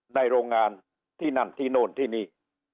โรงงานที่นั่นที่โน่นที่นี่